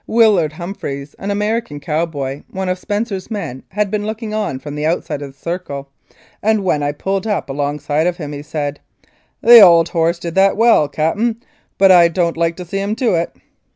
Willard Humphries, an American cowboy, one of Spencers' men, had been looking on from the outside of the circle, and when I pulled up alongside of him, said, "The old horse did that well, Cap'n, but I don't like to see him do it."